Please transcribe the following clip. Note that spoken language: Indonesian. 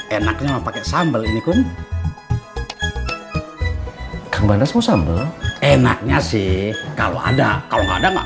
enaknya pakai sambal ini kum kang banas mau sambal enaknya sih kalau ada kalau nggak ada nggak